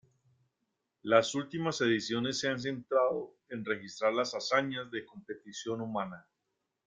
Las últimas ediciones se han centrado en registrar las hazañas de competición humana.